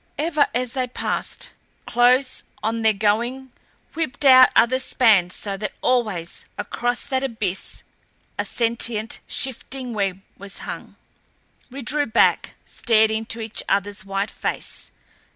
Ever, as they passed, close on their going whipped out other spans so that always across that abyss a sentient, shifting web was hung. We drew back, stared into each other's white face.